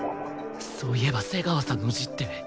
そういえば瀬川さんの字って